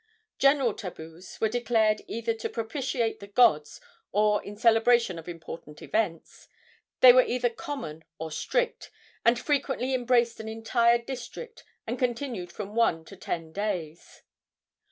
General tabus were declared either to propitiate the gods or in celebration of important events. They were either common or strict, and frequently embraced an entire district and continued from one to ten days.